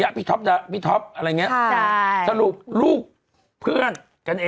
ก็คือพี่ชุดาภาที่กำกับแล้วก่อน